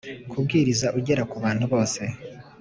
kubwiriza Ugera ku bantu bose